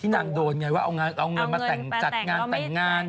นางโดนไงว่าเอาเงินมาจัดงานแต่งงาน